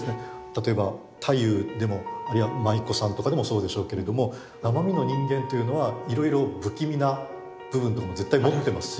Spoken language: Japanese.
例えば太夫でもあるいは舞妓さんとかでもそうでしょうけれども生身の人間というのはいろいろ不気味な部分って絶対持ってますし。